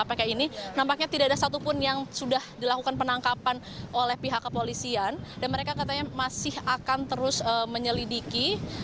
nampaknya tidak ada satupun yang sudah dilakukan penangkapan oleh pihak kepolisian dan mereka katanya masih akan terus menyelidiki